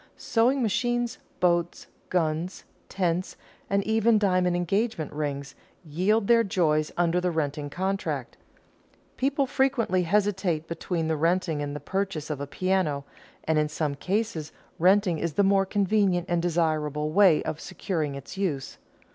Sewing machines, boats, guns, tents, and even diamond engagement rings, yield their joys under the renting contract. People frequently hesitate between the renting and the purchase of a piano, and in some cases renting is the more convenient and desirable way of securing its use.